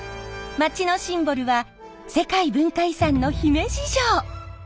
街のシンボルは世界文化遺産の姫路城。